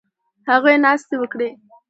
هغوی ناستې وکړې